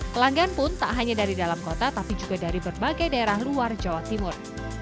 pelanggan pun tak hanya dari dalam kota tapi juga dari berbagai daerah luar jawa timur